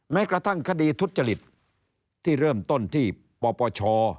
แม้กระทั่งคดีทุจริตที่เริ่มต้นที่ปปช